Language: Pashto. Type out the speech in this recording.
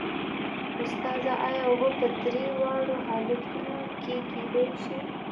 استاده ایا اوبه په درې واړو حالتونو کې کیدای شي